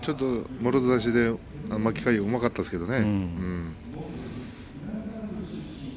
もろ差しで巻き替えはうまかったですけどね。